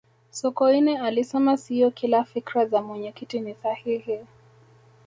sokoine alisema siyo kila fikra za mwenyekiti ni sahihi